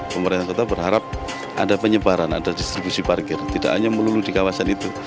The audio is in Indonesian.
pemerintah kota berharap ada penyebaran ada distribusi parkir tidak hanya melulu di kawasan itu